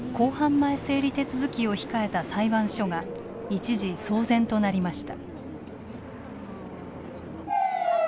前整理手続きを控えた裁判所が一時騒然となりました。